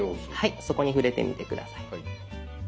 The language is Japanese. そこに触れてみて下さい。